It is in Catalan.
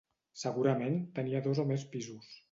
Segurament tenia dos o més pisos.